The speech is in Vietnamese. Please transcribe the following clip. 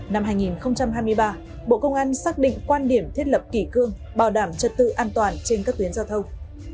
năm hai nghìn hai mươi ba bộ công an xác định quan điểm thiết lập kỷ cương bảo đảm trật tự an toàn trên các tuyến giao thông